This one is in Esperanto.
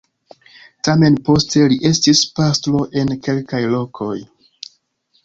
Tamen poste li estis pastro en kelkaj lokoj.